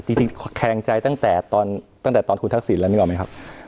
จริงแคลงใจตั้งแต่ตอนคุณทักษิณแล้วนี่ก่อนไหมครับ